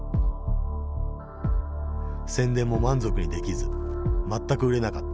宣伝も満足にできず全く売れなかった。